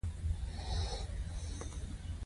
ایا نوکان یې اخیستي دي؟